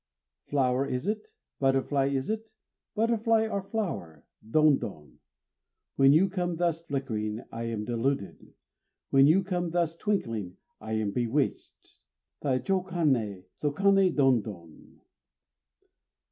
_ Flower is it? butterfly is it? Butterfly or flower? Don don! When you come thus flickering, I am deluded! When you come thus twinkling, I am bewitched! Taichokané! _Sôkané don don!